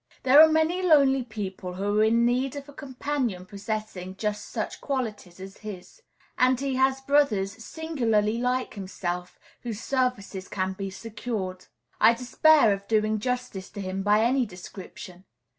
There are many lonely people who are in need of a companion possessing just such qualities as his; and he has brothers singularly like himself, whose services can be secured. I despair of doing justice to him by any description.